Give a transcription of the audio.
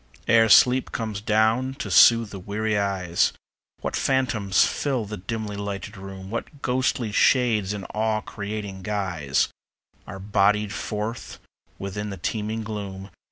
Ere sleep comes down to soothe the weary eyes, What phantoms fill the dimly lighted room; What ghostly shades in awe creating guise Are bodied forth within the teeming gloom.